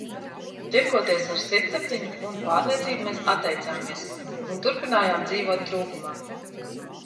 Tirgoties ar sirdsapziņu un pārliecību mēs atteicāmies un turpinājām dzīvot trūkumā.